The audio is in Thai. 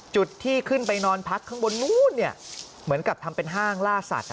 จุดที่ขึ้นไปนอนพักข้างบนนู้นเหมือนกับทำเป็นห้างล่าสัตว์